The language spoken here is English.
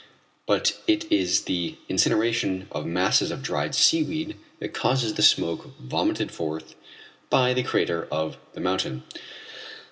But it is the incineration of masses of dried seaweed that causes the smoke vomited forth by the crater of the mountain.